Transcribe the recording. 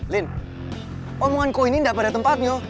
lin omongan kok ini gak pada tempatnya